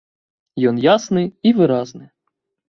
Ён ясны і выразны.